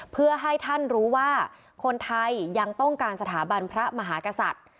เพื่อให้ท่านรู้ว่าคนไทยยังต้องการสถาบันพระมหากษัตริย์